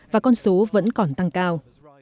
và con số vẫn còn tăng cao